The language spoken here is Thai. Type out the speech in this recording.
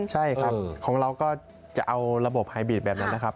ใช่ครับของเราก็จะเอาระบบไฮบีดแบบนั้นนะครับ